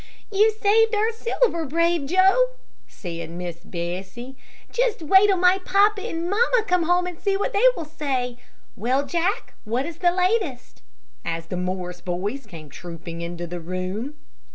"You saved our silver, brave Joe," said Miss Bessie; "just wait till my papa and mamma come home, and see what they will say. Well, Jack, what is the latest?" as the Morris boys came trooping into the room.